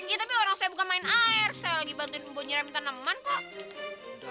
iya tapi orang saya bukan main air saya lagi bantuin mbak nyirami tanaman kok